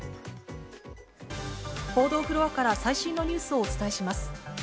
報道フロアから最新のニュースをお伝えします。